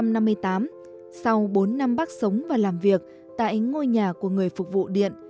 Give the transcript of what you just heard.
năm một nghìn chín trăm năm mươi tám sau bốn năm bác sống và làm việc tại ngôi nhà của người phục vụ điện